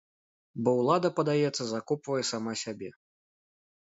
Бо ўлада, падаецца, закопвае сама сябе.